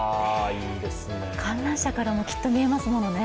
観覧車からもきっと見えますものね。